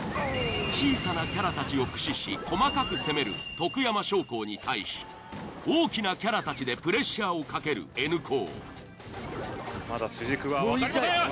小さなキャラたちを駆使し細かく攻める徳山商工に対し大きなキャラたちでプレッシャーをかけるＮ高。